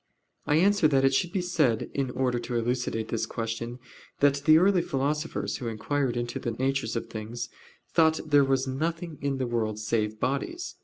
I answer that, It should be said in order to elucidate this question, that the early philosophers, who inquired into the natures of things, thought there was nothing in the world save bodies.